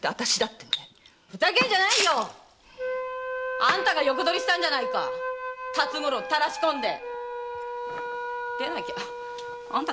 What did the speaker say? ふざけんじゃないよ！あんたが横取りしたんじゃないか辰五郎をたらしこんで！でなきゃあんたなんかに負けるはずないよ